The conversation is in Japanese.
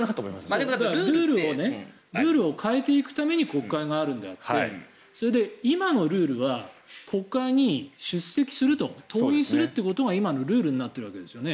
ルールを変えていくために国会があるのであって今のルールは国会に出席する登院するというのが今のルールになっているわけですよね。